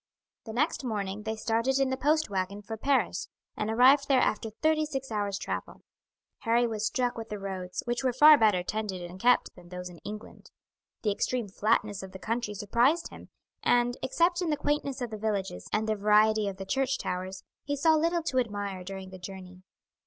The next morning they started in the post waggon for Paris, and arrived there after thirty six hours' travel. Harry was struck with the roads, which were far better tended and kept than those in England. The extreme flatness of the country surprised him, and, except in the quaintness of the villages and the variety of the church towers, he saw little to admire during the journey.